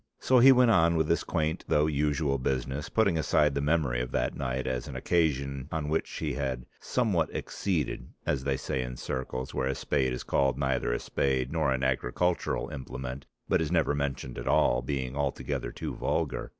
So he went on with this quaint though usual business, putting aside the memory of that night as an occasion on which he had "somewhat exceeded" as they say in circles where a spade is called neither a spade nor an agricultural implement but is never mentioned at all, being altogether too vulgar.